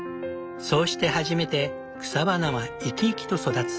そうして初めて草花は生き生きと育つ。